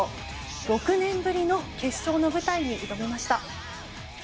６年ぶりの決勝の舞台に挑みました。